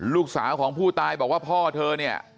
ลูกสาวของผู้ตายบอกว่าพ่อเธอเนี่ย